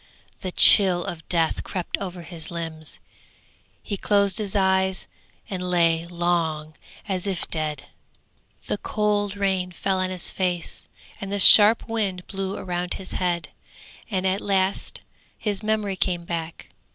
The chill of death crept over his limbs; he closed his eyes and lay long as if dead. The cold rain fell on his face, and the sharp wind blew around his head, and at last his memory came back.